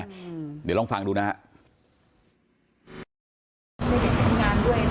เดี๋ยวลองฟังดูนะฮะ